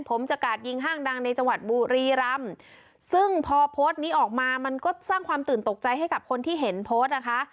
ผมจะกาดยิงห้างดังในจังหวัดบุรีรำซึ่งพอโพสต์นี้ออกมามันก็สร้างความตื่นตกใจให้กับคนที่เห็นโพสต์นะคะ